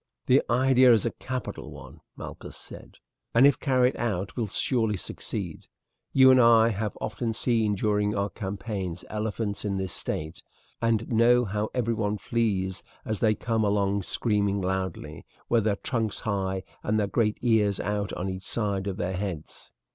"The idea is a capital one," Malchus said, "and if carried out will surely succeed. You and I have often seen during our campaigns elephants in this state, and know how every one flies as they come along screaming loudly, with their trunks high, and their great ears out on each side of their heads.